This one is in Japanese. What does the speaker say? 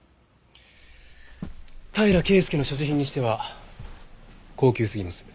平良圭介の所持品にしては高級すぎます。